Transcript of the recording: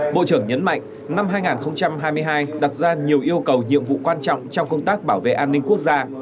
bộ trưởng nhấn mạnh năm hai nghìn hai mươi hai đặt ra nhiều yêu cầu nhiệm vụ quan trọng trong công tác bảo vệ an ninh quốc gia